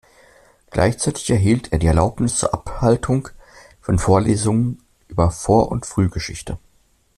Gleichzeitig erhielt er die Erlaubnis zur Abhaltung von Vorlesungen über Vor- und Frühgeschichte.